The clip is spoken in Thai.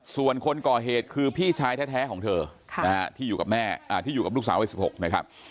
ส่วนคนก่อเหตุคือพี่ชายแท้ของเธอที่อยู่กับแม่ที่อยู่กับลูกสาวไว้๑๖นะครับ